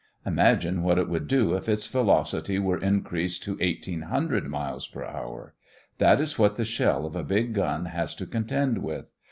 Imagine what it would do if its velocity were increased to 1,800 miles per hour. That is what the shell of a big gun has to contend with.